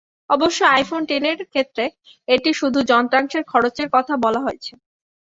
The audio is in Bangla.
অবশ্য আইফোন টেনের ক্ষেত্রে এটি শুধু যন্ত্রাংশের খরচের কথা বলা হয়েছে।